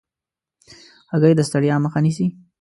هګۍ د ستړیا مخه نیسي.